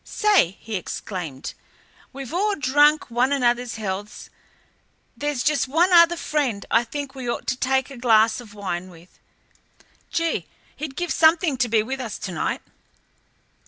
"Say," he exclaimed, "we've all drunk one another's healths. There's just one other friend I think we ought to take a glass of wine with. Gee, he'd give something to be with us to night!